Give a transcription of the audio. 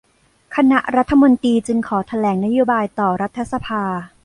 คณะรัฐมนตรีจึงขอแถลงนโยบายต่อรัฐสภา